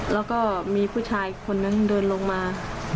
แล้วก็มีผู้ชายคนนั้นเดินลงมา